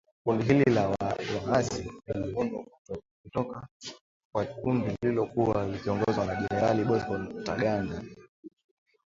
Kundi hili la waasi liliundwa kutoka kwa kundi lililokuwa likiongozwa na Jenerali Bosco Ntaganda.